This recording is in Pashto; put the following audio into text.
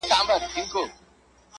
له آفته د بازانو په امان وي -